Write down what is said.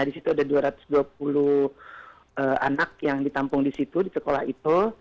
di situ ada dua ratus dua puluh anak yang ditampung di situ di sekolah itu